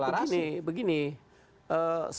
jadi saya ingin mengingatkan